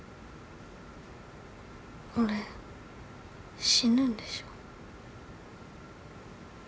俺死ぬんでしょ？